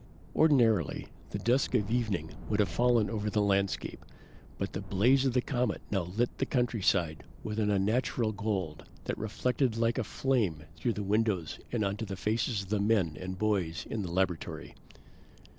Ordinarily, the dusk of evening would have fallen over the landscape, but the blaze of the comet now lit the countryside with an unnatural gold that reflected like a flame through the windows and onto the faces of the men and boys in the laboratory.